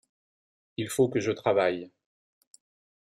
Il faut que je travaille.